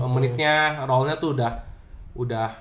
menitnya rollnya tuh udah